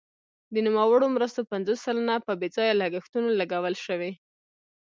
د نوموړو مرستو پنځوس سلنه په بې ځایه لګښتونو لګول شوي.